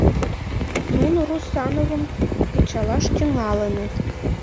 Нуно Русановым кычалаш тӱҥалыныт.